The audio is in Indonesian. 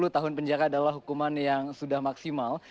sepuluh tahun penjara adalah hukuman yang sudah maksimal